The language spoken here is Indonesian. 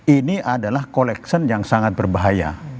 ini adalah collection yang sangat berbahaya